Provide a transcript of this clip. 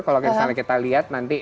kalau misalnya kita lihat nanti